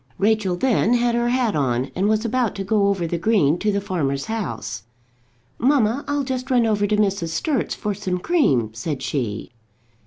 Rachel then had her hat on, and was about to go over the green to the farmer's house. "Mamma, I'll just run over to Mrs. Sturt's for some cream," said she.